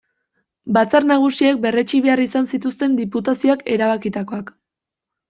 Batzar Nagusiek berretsi behar izaten zituzten Diputazioak erabakitakoak.